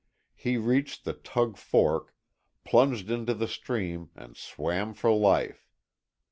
He reached the Tug Fork, plunged into the stream and swam for life.